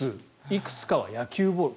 いくつかは野球ボール。